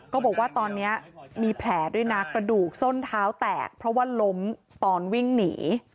ก็บอกว่าตอนนี้มีแผลด้วยนะกระดูกส้นเท้าแตกเพราะว่าล้มตอนวิ่งหนี